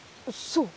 そう？